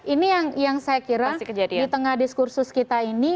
ini yang saya kira di tengah diskursus kita ini